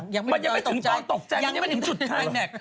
ยังไม่ต้องตกใจมันยังไม่ถึงตอนตกใจมันยังไม่ถึงจุดใครหรอก